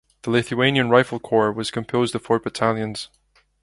The Lithuanian Rifle Corps was composed of four battalions.